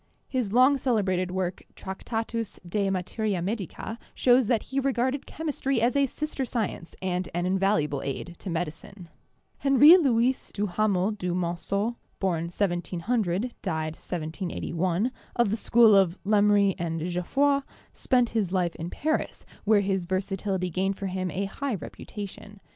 His long celebrated work, 'Tractatus de Materia Medica,' shows that he regarded chemistry as a sister science and an invaluable aid to medicine. Henri Louis Duhamel du Monceau (born 1700, died 1781), of the school of Lemery and Geoffroy, spent his life in Paris, where his versatility gained for him a high reputation.